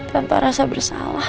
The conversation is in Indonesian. tanpa rasa bersalah